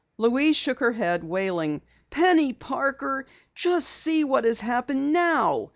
Louise shook her head, wailing: "Penny Parker, just see what has happened now!